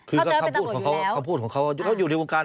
เข้าใจว่าเป็นตำรวจอยู่แล้วความพูดของเขาเขาอยู่ในวงการ